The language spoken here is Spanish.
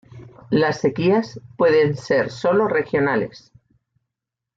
Las sequías pueden ser solo regionales.